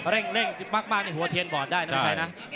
เร่งมากในหัวเทียนบอดได้นะพี่ชัยนะ